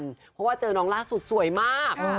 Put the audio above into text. เพราะว่าเจอน้องล่าสุดสวยมาก